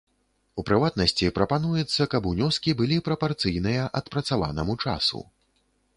У прыватнасці, прапануецца, каб унёскі былі прапарцыйныя адпрацаванаму часу.